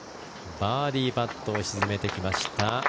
バーディーパットを沈めてきました。